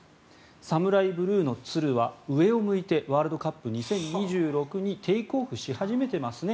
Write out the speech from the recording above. ＳＡＭＵＲＡＩＢＬＵＥの鶴は、上を向いてワールドカップ２０２６にテイクオフし始めていますね。